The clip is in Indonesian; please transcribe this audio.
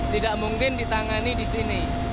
tidak mungkin ditangani di sini